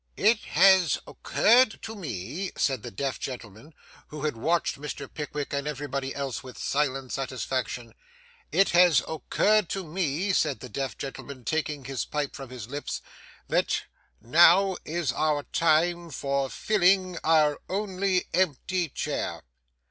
'It has occurred to me,' said the deaf gentleman, who had watched Mr. Pickwick and everybody else with silent satisfaction—'it has occurred to me,' said the deaf gentleman, taking his pipe from his lips, 'that now is our time for filling our only empty chair.